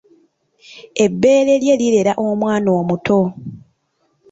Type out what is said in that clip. Ebbeere lye lirera omwana omuto.